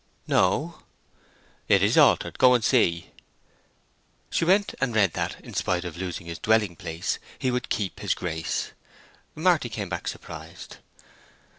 "No." "It is altered. Go and see." She went, and read that, in spite of losing his dwelling place, he would keep his Grace. Marty came back surprised.